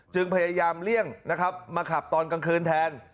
พยายามเลี่ยงนะครับมาขับตอนกลางคืนแทน